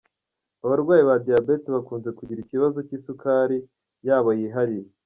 Abarwayi ba Diyabete bakunze kugira ikibazo cy’isukari yabo yihariye.